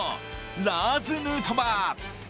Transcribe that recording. ラーズ・ヌートバー。